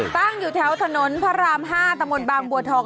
ตั้งอยู่แถวถนนพระราม๕ตะมนต์บางบัวทอง